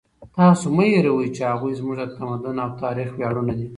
تاسو مه هېروئ چې هغوی زموږ د تمدن او تاریخ ویاړونه دي.